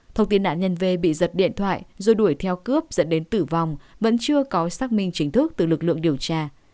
thông tin nạn nhân v bị giật điện thoại rồi đuổi theo cướp dẫn đến tử vong vẫn chưa có xác minh chính thức từ lực lượng điều tra